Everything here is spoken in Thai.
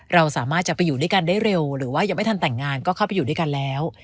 เราสามารถจะไปอยู่ด้วยกันได้เร็วหรือว่ายังไม่ทันแต่งงานก็เข้าไปอยู่ด้วยกันแล้ว